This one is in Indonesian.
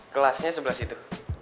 kelasnya sebelah situ